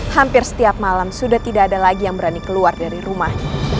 hampir setiap malam sudah tidak ada lagi yang berani keluar dari rumah